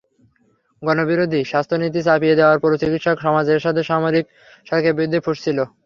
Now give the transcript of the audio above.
গণবিরোধী স্বাস্থ্যনীতি চাপিয়ে দেওয়ায় পুরো চিকিৎসক সমাজ এরশাদের সামরিক সরকারের বিরুদ্ধে ফুঁসছিল।